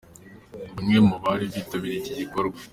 Bamwe mu bari bitabiye iki gikorwa.